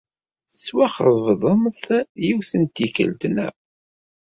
Tettwaxeḍbemt yiwet n tikkelt, naɣ?